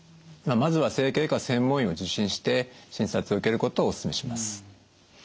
まずは整形外科専門医を受診して診察を受けることをお勧めします。